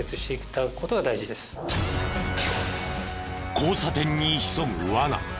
交差点に潜むワナ。